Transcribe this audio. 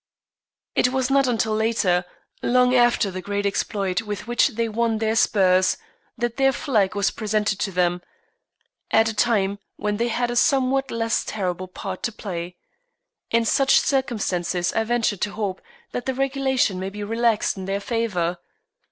It was not until later, long after the great exploits with which they won their spurs, that their flag was presented to them, at a time when they had a somewhat less terrible part to play. In such circumstances I venture to hope that the regulation may be relaxed in their favour.